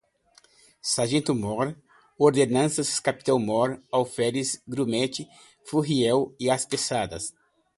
Sargento-Mor, Ordenanças, Capitão-Mor, Alferes, Grumete, Furriel, Anspeçada